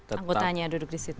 angkutannya duduk di situ